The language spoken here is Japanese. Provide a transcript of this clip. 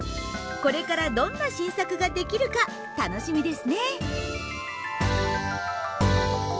これからどんな新作が出来るか楽しみですね。